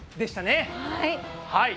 はい。